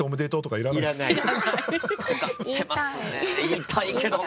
言いたいけどな。